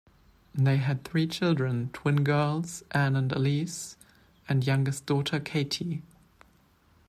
They had three children: Twin girls, Anne and Alice, and youngest daughter Katie.